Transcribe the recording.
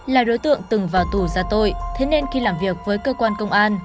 là đối tượng từng vào tù ra tội thế nên khi làm việc với cơ quan công an